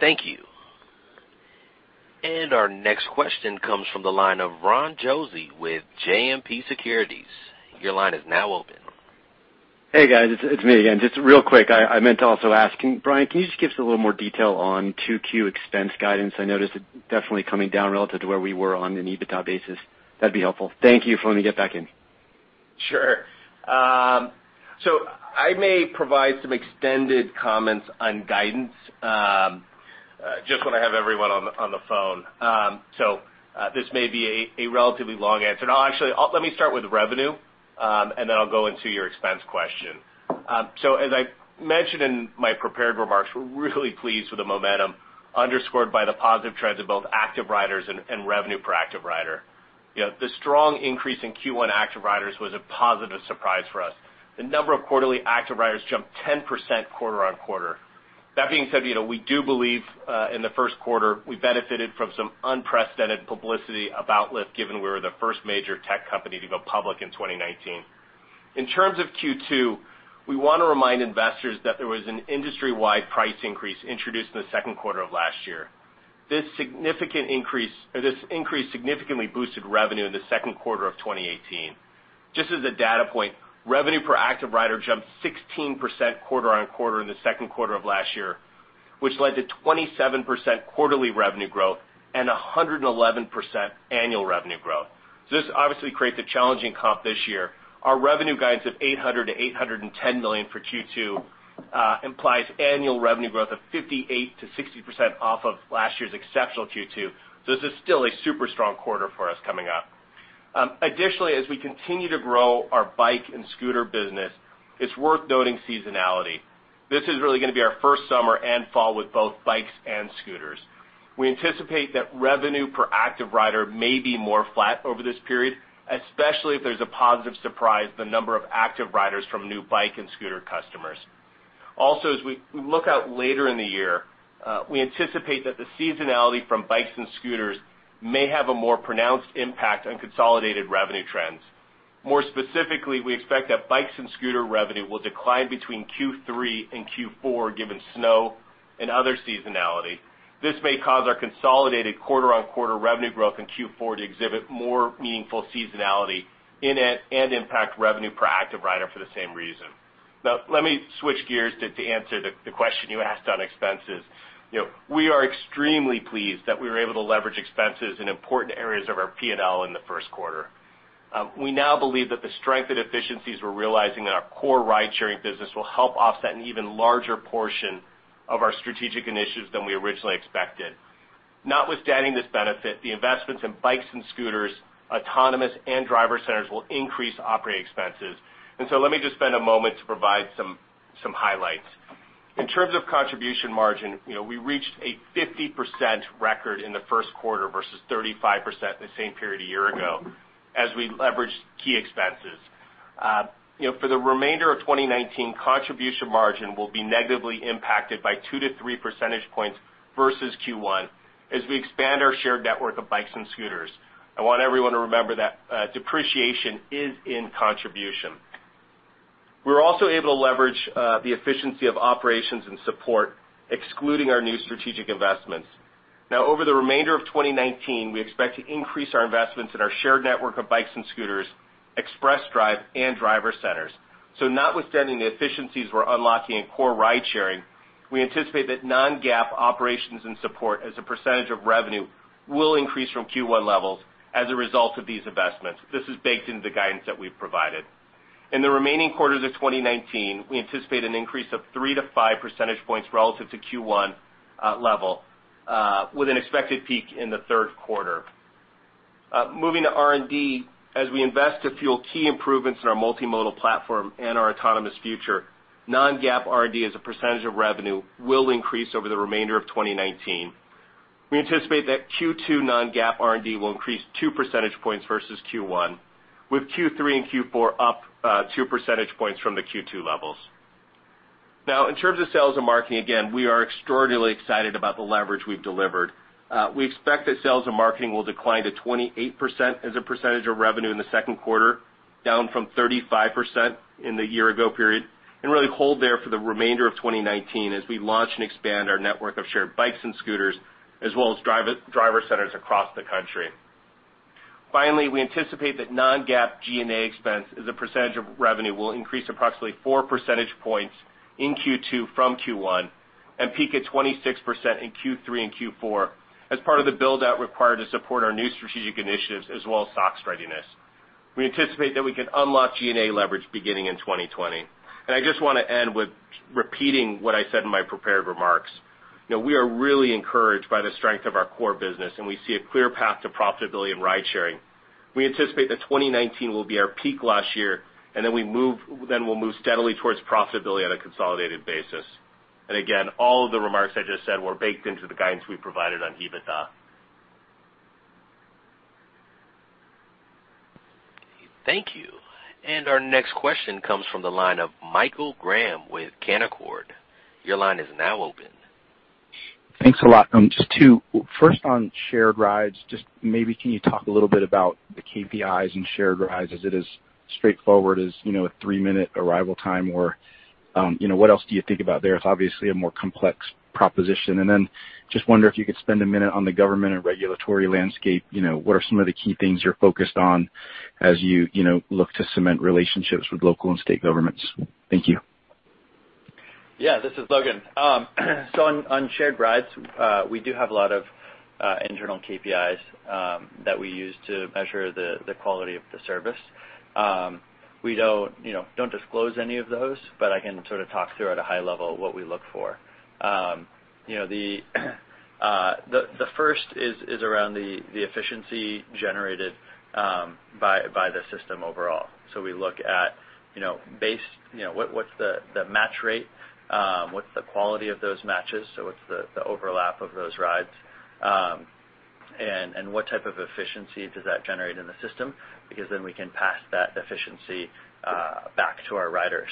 Thank you. Our next question comes from the line of Ronald Josey with JMP Securities. Your line is now open.
Hey, guys. It's me again, just real quick, I meant to also ask, Brian, can you just give us a little more detail on 2Q expense guidance? I noticed it definitely coming down relative to where we were on an EBITDA basis. That'd be helpful. Thank you. Free to get back in.
Sure. I may provide some extended comments on guidance, just when I have everyone on the phone. This may be a relatively long answer. Actually, let me start with revenue, and then I'll go into your expense question. As I mentioned in my prepared remarks, we're really pleased with the momentum underscored by the positive trends of both active riders and revenue per active rider. The strong increase in Q1 active riders was a positive surprise for us. The number of quarterly active riders jumped 10% quarter-on-quarter. That being said, we do believe, in the first quarter, we benefited from some unprecedented publicity about Lyft, given we were the first major tech company to go public in 2019. In terms of Q2, we want to remind investors that there was an industry-wide price increase introduced in the second quarter of last year. This increase significantly boosted revenue in the second quarter of 2018. Just as a data point, revenue per active rider jumped 16% quarter-on-quarter in the second quarter of last year, which led to 27% quarterly revenue growth and 111% annual revenue growth. This obviously creates a challenging comp this year. Our revenue guidance of $800 million-$810 million for Q2 implies annual revenue growth of 58%-60% off of last year's exceptional Q2. This is still a super strong quarter for us coming up. Additionally, as we continue to grow our bike and scooter business, it's worth noting seasonality. This is really going to be our first summer and fall with both bikes and scooters. We anticipate that revenue per active rider may be more flat over this period, especially if there's a positive surprise the number of active riders from new bike and scooter customers. As we look out later in the year, we anticipate that the seasonality from bikes and scooters may have a more pronounced impact on consolidated revenue trends. More specifically, we expect that bikes and scooter revenue will decline between Q3 and Q4, given snow and other seasonality. This may cause our consolidated quarter-on-quarter revenue growth in Q4 to exhibit more meaningful seasonality in it and impact revenue per active rider for the same reason. Let me switch gears to answer the question you asked on expenses. We are extremely pleased that we were able to leverage expenses in important areas of our P&L in the first quarter. We now believe that the strength and efficiencies we're realizing in our core ride-sharing business will help offset an even larger portion of our strategic initiatives than we originally expected. Notwithstanding this benefit, the investments in bikes and scooters, autonomous and Driver Centers will increase operating expenses. Let me just spend a moment to provide some highlights. In terms of contribution margin, we reached a 50% record in the first quarter versus 35% in the same period a year ago as we leveraged key expenses. For the remainder of 2019, contribution margin will be negatively impacted by two to three percentage points versus Q1 as we expand our shared network of bikes and scooters. I want everyone to remember that depreciation is in contribution. We were also able to leverage the efficiency of operations and support, excluding our new strategic investments. Over the remainder of 2019, we expect to increase our investments in our shared network of bikes and scooters, Express Drive, and Driver Centers. Notwithstanding the efficiencies we're unlocking in core ride-sharing, we anticipate that non-GAAP operations and support as a percentage of revenue will increase from Q1 levels as a result of these investments. This is baked into the guidance that we've provided. In the remaining quarters of 2019, we anticipate an increase of 3 to 5 percentage points relative to Q1 level, with an expected peak in the third quarter. Moving to R&D, as we invest to fuel key improvements in our multimodal platform and our autonomous future, non-GAAP R&D as a percentage of revenue will increase over the remainder of 2019. We anticipate that Q2 non-GAAP R&D will increase two percentage points versus Q1, with Q3 and Q4 up two percentage points from the Q2 levels. In terms of sales and marketing, again, we are extraordinarily excited about the leverage we've delivered. We expect that sales and marketing will decline to 28% as a percentage of revenue in the second quarter, down from 35% in the year-ago period, and really hold there for the remainder of 2019 as we launch and expand our network of shared bikes and scooters, as well as Driver Centers across the country. We anticipate that non-GAAP G&A expense as a percentage of revenue will increase approximately four percentage points in Q2 from Q1 and peak at 26% in Q3 and Q4 as part of the build-out required to support our new strategic initiatives as well as SOX readiness. We anticipate that we can unlock G&A leverage beginning in 2020. I just want to end with repeating what I said in my prepared remarks. We are really encouraged by the strength of our core business, and we see a clear path to profitability in ride-sharing. We anticipate that 2019 will be our peak last year, then we'll move steadily towards profitability on a consolidated basis. Again, all of the remarks I just said were baked into the guidance we provided on EBITDA.
Thank you. Our next question comes from the line of Michael Graham with Canaccord. Your line is now open.
Thanks a lot. Just two. First, on Shared Rides, just maybe can you talk a little bit about the KPIs in Shared Rides? Is it as straightforward as a three-minute arrival time, or what else do you think about there? It's obviously a more complex proposition. Just wonder if you could spend a minute on the government and regulatory landscape. What are some of the key things you're focused on as you look to cement relationships with local and state governments? Thank you.
Yeah. This is Logan. On Shared Rides, we do have a lot of internal KPIs that we use to measure the quality of the service. We don't disclose any of those, but I can sort of talk through at a high level what we look for. The first is around the efficiency generated by the system overall. We look at what's the match rate, what's the quality of those matches, so what's the overlap of those rides, and what type of efficiency does that generate in the system? Because then we can pass that efficiency back to our riders.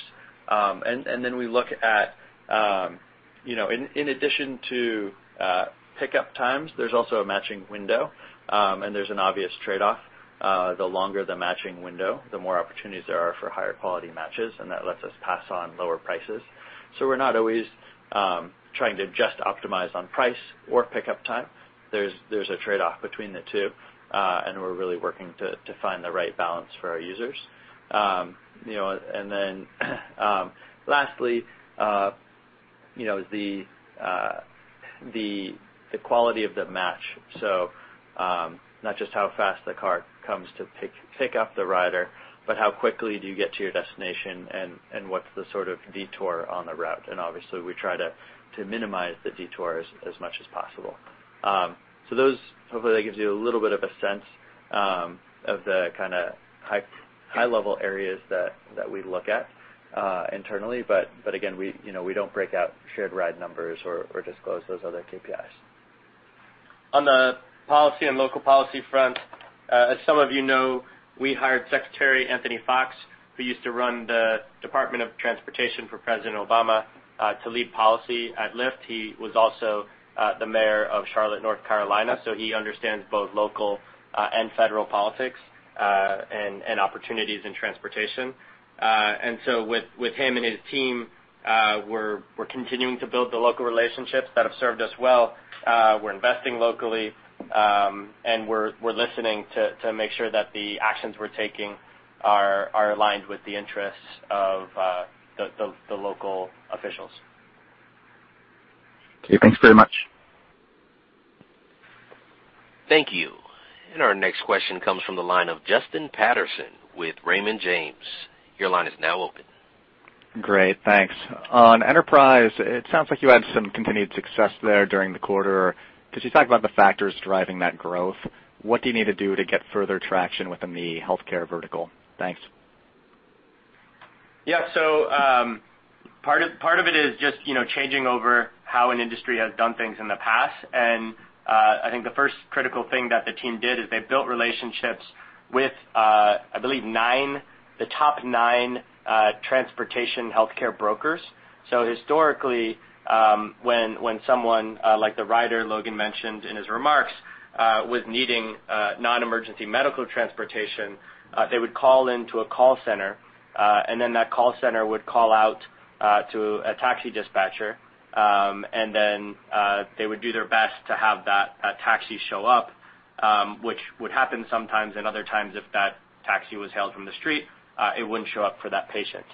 We look at, in addition to pickup times, there's also a matching window, and there's an obvious trade-off. The longer the matching window, the more opportunities there are for higher-quality matches, and that lets us pass on lower prices. We're not always trying to just optimize on price or pickup time. There's a trade-off between the two, and we're really working to find the right balance for our users. Lastly, is the quality of the match. Not just how fast the car comes to pick up the rider, but how quickly do you get to your destination and what's the sort of detour on the route. Obviously, we try to minimize the detours as much as possible. Those, hopefully, that gives you a little bit of a sense of the kind of high-level areas that we look at internally. Again, we don't break out Shared Ride numbers or disclose those other KPIs.
On the policy and local policy front, as some of you know, we hired Secretary Anthony Foxx, who used to run the Department of Transportation for President Obama, to lead policy at Lyft. He was also the mayor of Charlotte, North Carolina, so he understands both local and federal politics, and opportunities in transportation. With him and his team, we're continuing to build the local relationships that have served us well. We're investing locally, and we're listening to make sure that the actions we're taking are aligned with the interests of the local officials.
Okay, thanks very much.
Thank you. Our next question comes from the line of Justin Patterson with Raymond James. Your line is now open.
Great. Thanks. On Enterprise, it sounds like you had some continued success there during the quarter. Could you talk about the factors driving that growth? What do you need to do to get further traction within the healthcare vertical? Thanks.
Yeah. Part of it is just changing over how an industry has done things in the past. I think the first critical thing that the team did is they built relationships with, I believe nine, the top nine transportation healthcare brokers. Historically, when someone like the rider Logan mentioned in his remarks was needing non-emergency medical transportation, they would call into a call center, and then that call center would call out to a taxi dispatcher, and then they would do their best to have that taxi show up, which would happen sometimes, and other times if that taxi was hailed from the street, it wouldn't show up for that patient.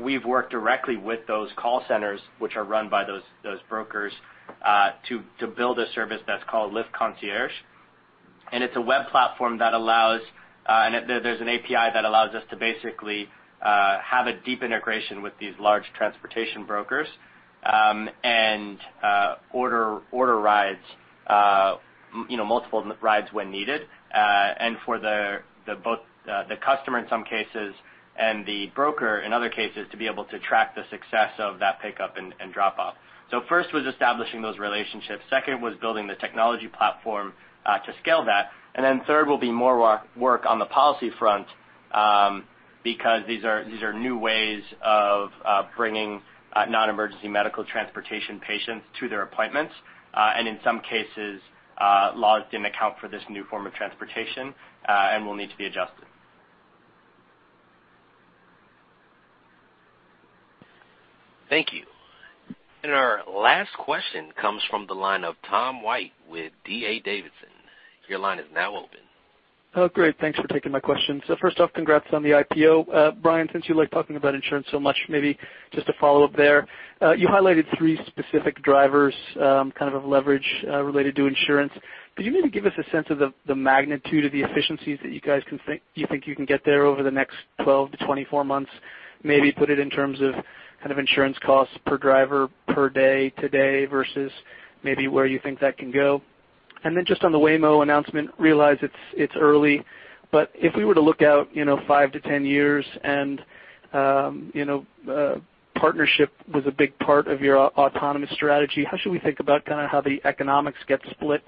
We've worked directly with those call centers, which are run by those brokers, to build a service that's called Lyft Concierge. It's a web platform. There's an API that allows us to basically have a deep integration with these large transportation brokers, order multiple rides when needed. For both the customer in some cases and the broker in other cases, to be able to track the success of that pickup and drop-off. First was establishing those relationships, second was building the technology platform to scale that. Third will be more work on the policy front, because these are new ways of bringing non-emergency medical transportation patients to their appointments. In some cases, laws didn't account for this new form of transportation and will need to be adjusted.
Thank you. Our last question comes from the line of Tom White with D.A. Davidson. Your line is now open.
Oh, great. Thanks for taking my question. First off, congrats on the IPO. Brian, since you like talking about insurance so much, maybe just to follow up there. You highlighted three specific drivers, kind of a leverage related to insurance. Could you maybe give us a sense of the magnitude of the efficiencies that you guys think you can get there over the next 12-24 months? Maybe put it in terms of kind of insurance costs per driver per day today versus maybe where you think that can go. Just on the Waymo announcement, realize it's early, but if we were to look out 5-10 years, partnership was a big part of your autonomous strategy. How should we think about how the economics get split?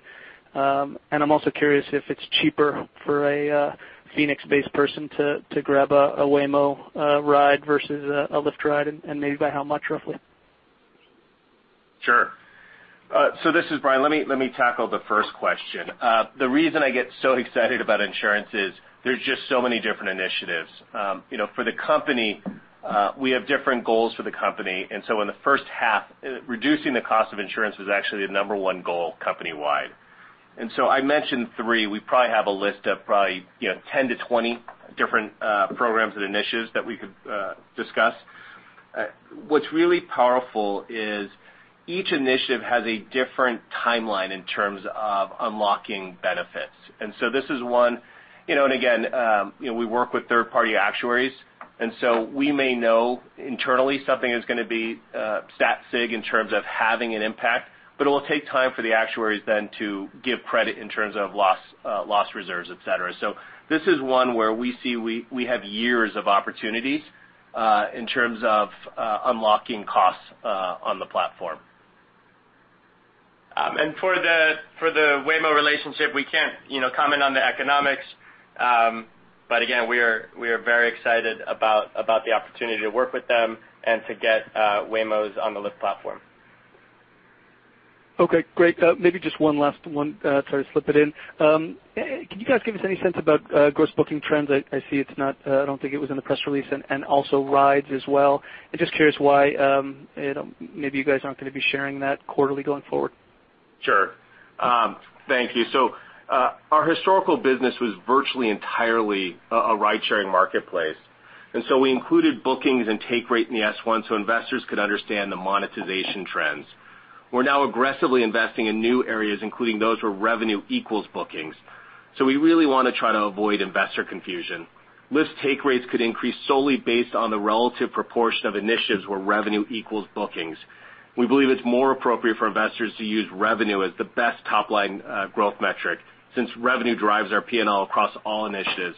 I'm also curious if it's cheaper for a Phoenix-based person to grab a Waymo ride versus a Lyft ride, and maybe by how much, roughly?
Sure. This is Brian. Let me tackle the first question. The reason I get so excited about insurance is there's just so many different initiatives. For the company, we have different goals for the company, in the first half, reducing the cost of insurance was actually the number one goal company-wide. I mentioned three. We probably have a list of probably 10 to 20 different programs and initiatives that we could discuss. What's really powerful is each initiative has a different timeline in terms of unlocking benefits. This is one, again, we work with third-party actuaries, we may know internally something is going to be stat sig in terms of having an impact, but it will take time for the actuaries then to give credit in terms of loss reserves, et cetera. This is one where we see we have years of opportunities in terms of unlocking costs on the platform. For the Waymo relationship, we can't comment on the economics. Again, we are very excited about the opportunity to work with them and to get Waymos on the Lyft platform.
Okay, great. Maybe just one last one. Sorry to slip it in. Can you guys give us any sense about gross booking trends? I see I don't think it was in the press release, and also rides as well. I'm just curious why maybe you guys aren't going to be sharing that quarterly going forward.
Sure. Thank you. Our historical business was virtually entirely a ride-sharing marketplace, we included bookings and take rate in the S-1 so investors could understand the monetization trends. We're now aggressively investing in new areas, including those where revenue equals bookings. We really want to try to avoid investor confusion. Lyft's take rates could increase solely based on the relative proportion of initiatives where revenue equals bookings. We believe it's more appropriate for investors to use revenue as the best top-line growth metric, since revenue drives our P&L across all initiatives.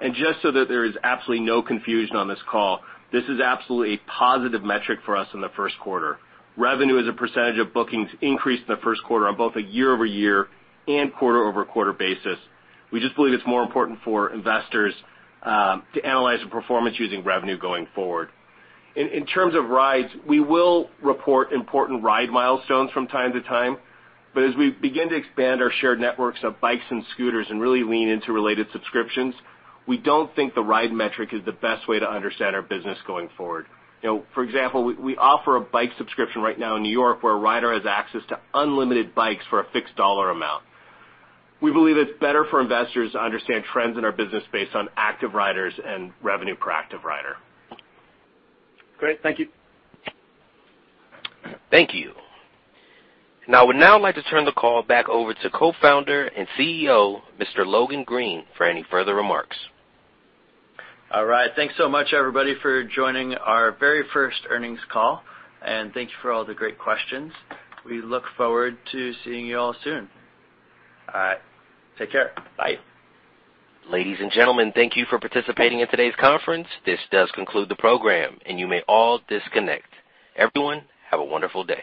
There is absolutely no confusion on this call, this is absolutely a positive metric for us in the first quarter. Revenue as a percentage of bookings increased in the first quarter on both a year-over-year and quarter-over-quarter basis. We just believe it's more important for investors to analyze the performance using revenue going forward. In terms of rides, we will report important ride milestones from time to time, but as we begin to expand our shared networks of bikes and scooters and really lean into related subscriptions, we don't think the ride metric is the best way to understand our business going forward. For example, we offer a bike subscription right now in New York, where a rider has access to unlimited bikes for a fixed dollar amount. We believe it's better for investors to understand trends in our business based on active riders and revenue per active rider.
Great. Thank you.
Thank you. I would now like to turn the call back over to Co-founder and CEO, Mr. Logan Green, for any further remarks.
All right. Thanks so much, everybody, for joining our very first earnings call, and thank you for all the great questions. We look forward to seeing you all soon. All right. Take care. Bye.
Ladies and gentlemen, thank you for participating in today's conference. This does conclude the program, and you may all disconnect. Everyone, have a wonderful day.